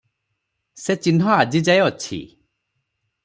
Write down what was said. ସେ ଚିହ୍ନ ଆଜି ଯାଏ ଅଛି ।